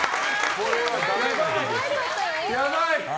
やばい。